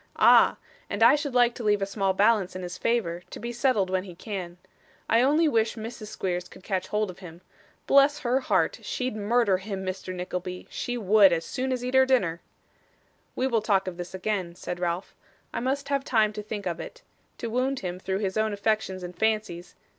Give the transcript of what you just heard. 'Ah! and I should like to leave a small balance in his favour, to be settled when he can. I only wish Mrs. Squeers could catch hold of him. Bless her heart! She'd murder him, Mr. Nickleby she would, as soon as eat her dinner.' 'We will talk of this again,' said Ralph. 'I must have time to think of it. To wound him through his own affections and fancies